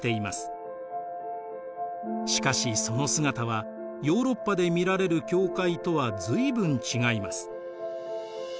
しかしその姿はヨーロッパで見られる教会とは随分違います。